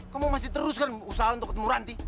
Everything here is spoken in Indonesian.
kamu masih terus kan usaha untuk ketemuranti